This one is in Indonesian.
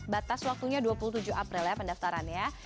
batas waktunya dua puluh tujuh april ya pendaftarannya